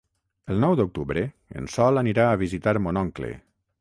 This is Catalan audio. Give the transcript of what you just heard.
El nou d'octubre en Sol anirà a visitar mon oncle.